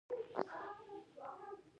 د مالټې پوستکی د مخ لپاره وکاروئ